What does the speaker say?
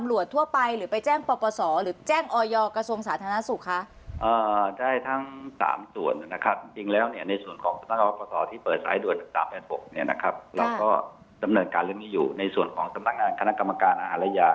แล้วดีฉันจะแจ้งเวลาดีฉันแจ้งว่านี่เนี่ยมีเพจเนี่ยมีคนเนี่ยขายเนี่ย